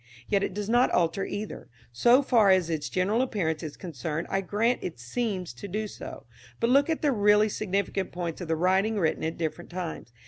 Yet it does not alter either. So far as its general appearance is concerned I grant it seems to do so. But look at the really significant points of the writing written at different times.